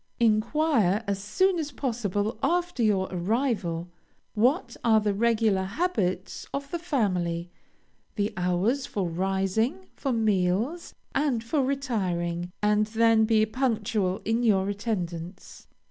Inquire, as soon as possible after your arrival, what are the regular habits of the family; the hours for rising, for meals, and for retiring, and then be punctual in your attendance.